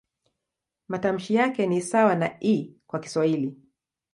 Matamshi yake ni sawa na "i" kwa Kiswahili.